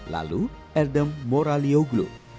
lalu adam moralioglu jenny peckham